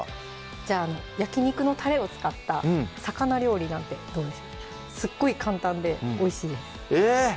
じゃあ焼肉のたれを使った魚料理なんてどうでしょうすっごい簡単でおいしいですえっ